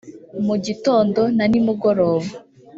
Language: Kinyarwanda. mu gitondo na nimugoroba